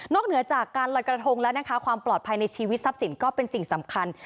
เหนือจากการลอยกระทงแล้วนะคะความปลอดภัยในชีวิตทรัพย์สินก็เป็นสิ่งสำคัญ